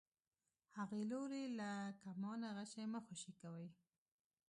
هغې لورې له کمانه غشی مه خوشی کوئ.